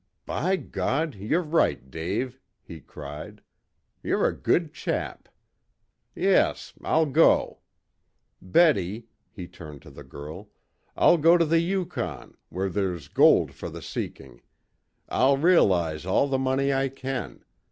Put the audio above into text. "By God, you're right, Dave," he cried. "You're a good chap. Yes, I'll go. Betty," he turned to the girl, "I'll go to the Yukon, where there's gold for the seeking. I'll realize all the money I can.